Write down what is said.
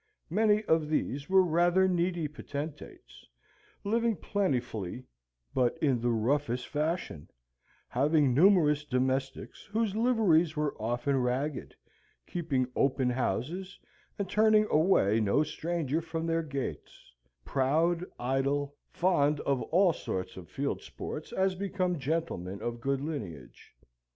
Many of these were rather needy potentates, living plentifully but in the roughest fashion, having numerous domestics whose liveries were often ragged; keeping open houses, and turning away no stranger from their gates; proud, idle, fond of all sorts of field sports as became gentlemen of good lineage.